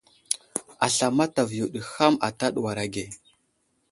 Asla mataviyo ɗi ham ata ɗuwar age.